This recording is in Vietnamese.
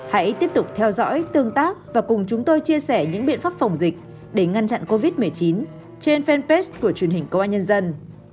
hãy tiếp tục theo dõi tương tác và cùng chúng tôi chia sẻ những biện pháp phòng dịch để ngăn chặn covid một mươi chín trên fanpage của truyền hình công an nhân dân